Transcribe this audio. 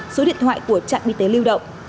số điện thoại của trạng y tế lưu động